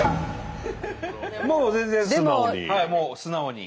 もう全然もう素直に。